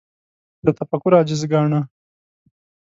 له تفکر عاجز ګاڼه